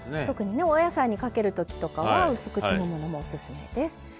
特にねお野菜にかける時とかはうす口のものもおすすめです。